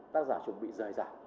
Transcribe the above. tác giả chuẩn bị dời dài